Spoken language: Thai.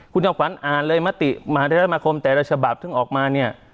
คุณจอมขวัญอ่านเลยมติมหาธรรมคมแต่ละฉบับซึ่งออกมาเนี่ย